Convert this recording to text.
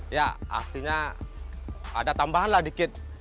ya artinya ada tambahan lah dikit